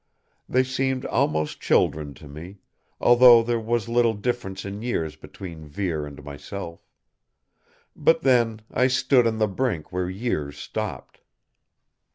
They seemed almost children to me, although there was little difference in years between Vere and myself. But then, I stood on the brink where years stopped.